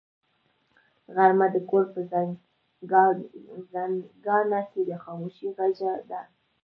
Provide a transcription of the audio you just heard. غرمه د کور په زنګانه کې د خاموشۍ غېږه ده